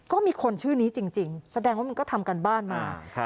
ก็มีคนชื่อนี้จริงแสดงว่ามันก็ทำการบ้านมา